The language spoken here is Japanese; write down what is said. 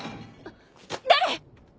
・誰！？